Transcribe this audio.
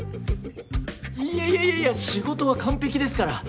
いやいやいやいや仕事は完璧ですから。